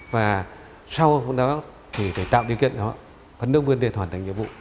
và sau đó thì phải tạo điều kiện cho họ phấn đồng vươn tiền hoàn thành nhiệm vụ